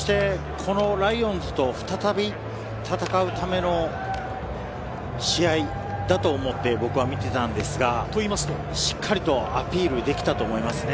このライオンズと再び戦うための試合だと思って僕は見ていたんですが、しっかりとアピールできたと思いますね。